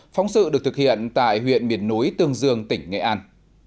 phóng sự được thực hiện tại huyện miền núi tương dương tỉnh nghệ an